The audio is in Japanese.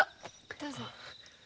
どうぞ。